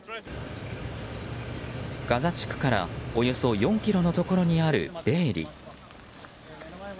ガザ地区からおよそ４ｋｍのところにあるベエリ。